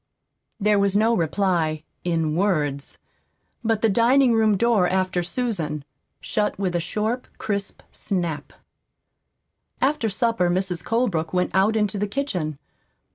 There was no reply in words. But the dining room door after Susan shut with a short, crisp snap. After supper Mrs. Colebrook went out into the kitchen.